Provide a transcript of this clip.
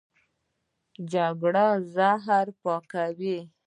جګر زهر پاکوي.